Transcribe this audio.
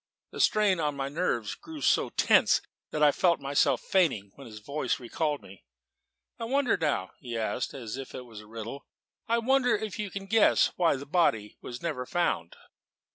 The strain on my nerves grew so tense that I felt myself fainting when his voice recalled me. "I wonder now," he asked, as if it were a riddle "I wonder if you can guess why the body was never found?"